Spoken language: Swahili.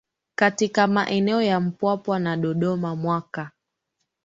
katika maeneo ya Mpwapwa na Dodoma mwaka